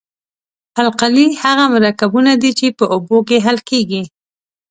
القلي هغه مرکبونه دي چې په اوبو کې حل کیږي.